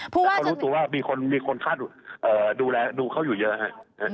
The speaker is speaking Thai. แต่เขารู้สึกว่ามีคนค่าดูแลดูเขาอยู่เยอะค่ะ